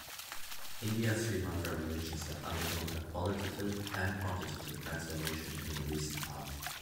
India-Sri Lanka relations have undergone a qualitative and quantitative transformation in the recent past.